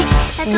nih udah deh